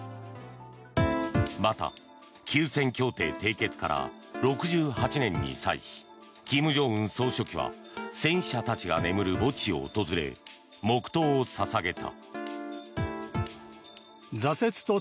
また、休戦協定締結から６８年に際し金正恩総書記は戦死者たちが眠る墓地を訪れ黙祷を捧げた。